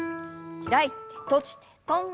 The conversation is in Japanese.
開いて閉じて跳んで。